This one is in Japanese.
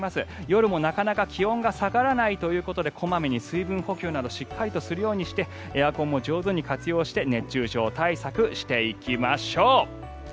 夜もなかなか気温が下がらないということで小まめに水分補給などしっかりとするようにしてエアコンも上手に活用して熱中症対策していきましょう。